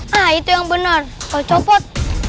nah itu yang benar kau copot